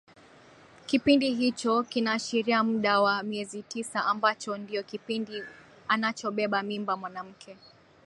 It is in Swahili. kipindi hicho kinaashiria muda wa miezi tisa ambacho ndio kipindi anachobeba mimba mwanamke